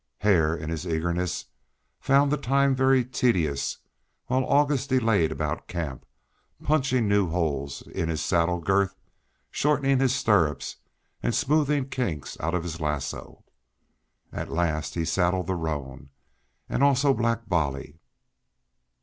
Hare, in his eagerness, found the time very tedious while August delayed about camp, punching new holes in his saddle girth, shortening his stirrups, and smoothing kinks out of his lasso. At last he saddled the roan, and also Black Bolly.